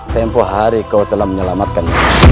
tempoh hari kau telah menyelamatkan